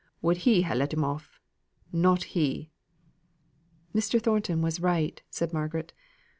would he ha' let him off? Not he!" "Mr. Thornton was right," said Margaret.